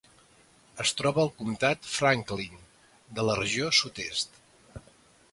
Es troba al comtat Franklin de la regió sud-est.